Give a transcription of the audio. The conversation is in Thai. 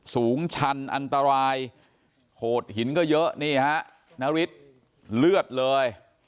สูงชันอันตรายโหดหินก็เยอะนี่ฮะนาริสเลือดเลย